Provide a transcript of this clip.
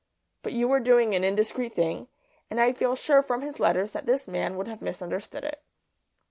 But you were doing an indiscreet thing, and I feel sure from his letters that this man would have misunderstood it.